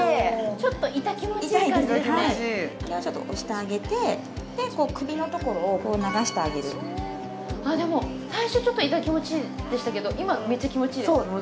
ちょっと押してあげてで首のところをこう流してあげるでも最初ちょっと痛気持ちいいでしたけど今めっちゃ気持ちいいです